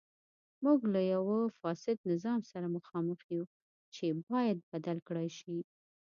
موږ له یوه فاسد نظام سره مخامخ یو چې باید بدل کړای شي.